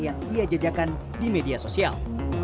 yang ia jajakan di media sosial